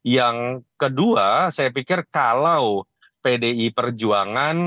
yang kedua saya pikir kalau pdi perjuangan